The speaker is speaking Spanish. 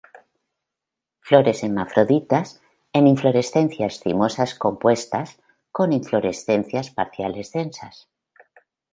Flores hermafroditas, en inflorescencias cimosas compuestas, con inflorescencias parciales densas.